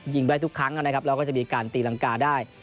ยิงได้ทุกครั้งนะครับแล้วก็จะมีการตีรังกาได้